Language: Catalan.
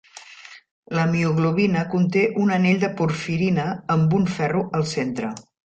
La mioglobina conté un anell de porfirina amb un ferro al centre.